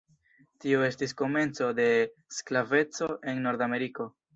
Tio estis komenco de sklaveco en Nordameriko.